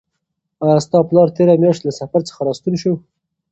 آیا ستا پلار تېره میاشت له سفر څخه راستون شو؟